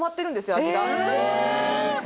味が。